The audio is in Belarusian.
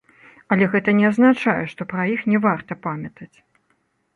Але гэта не азначае, што пра іх не варта памятаць.